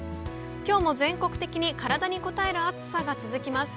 今日も全国的に体にこたえる暑さが続きます。